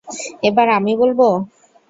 এবার আমি বলব?